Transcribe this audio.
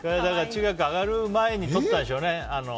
中学上がる前に撮ったんでしょうね。